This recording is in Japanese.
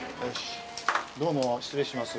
どうも失礼します。